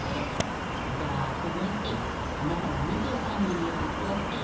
じゃあその１あなたは２３ミリより大きい？